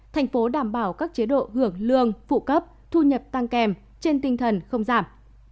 thành phố đảm bảo các chế độ hưởng lương phụ cấp thu nhập tăng kèm trên tinh thần không giảm